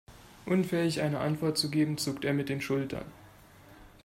Unfähig eine Antwort zu geben, zuckt er mit den Schultern.